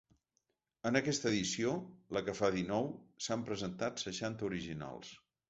En aquesta edició, la que fa dinou, s’han presentat seixanta originals.